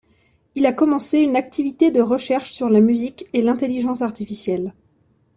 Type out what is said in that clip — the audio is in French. Il a commencé une activité de recherche sur la musique et l'intelligence artificielle.